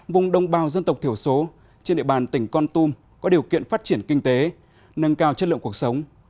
vùng đồng bào dân tộc thiểu số trên địa bàn tỉnh con tum có điều kiện phát triển kinh tế nâng cao chất lượng cuộc sống